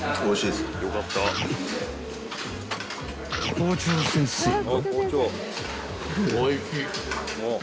［校長先生は］